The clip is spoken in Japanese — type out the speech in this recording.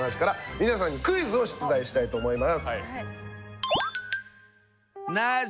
皆さんにクイズを出題したいと思います。